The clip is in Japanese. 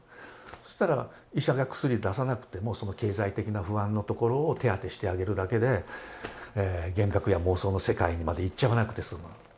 そうしたら医者が薬を出さなくてもその経済的な不安なところを手当てしてあげるだけで幻覚や妄想の世界にまで行っちゃわなくてすむ。